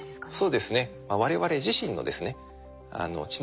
そうですね。